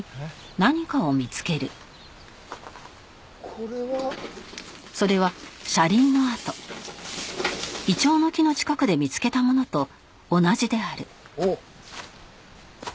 これは。おっ。